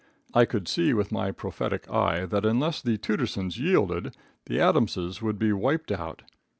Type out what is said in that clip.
I could see with my prophetic eye that unless the Tootersons yielded the Adamses would be wiped out.